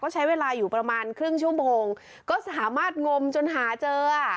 ใช้เวลาอยู่ประมาณครึ่งชั่วโมงก็สามารถงมจนหาเจอ